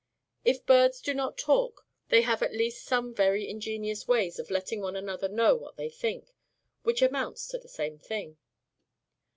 If birds do not talk, they have at least some very ingenious ways of letting one another know what they think, which amounts to the same thing.